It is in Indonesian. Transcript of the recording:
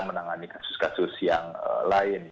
menangani kasus kasus yang lain